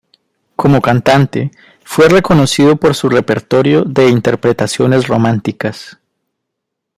Como cantante, fue reconocido por su repertorio de interpretaciones románticas.